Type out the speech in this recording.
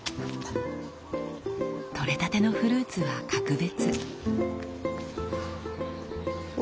取れたてのフルーツは格別。